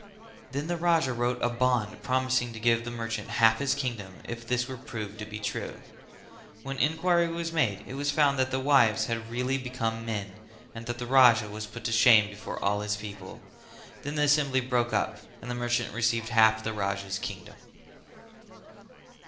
Then the Raja wrote a bond promising to give the merchant half his kingdom if this were proved to be true. When enquiry was made it was found that the wives had really become men, and the Raja was put to shame before all his people. Then the assembly broke up and the merchant received half the Raja's kingdom.